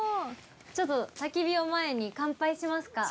ちょっと焚き火を前に乾杯しますか。